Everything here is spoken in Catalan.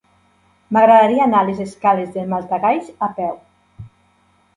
M'agradaria anar a les escales del Matagalls a peu.